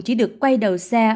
chỉ được quay đầu xe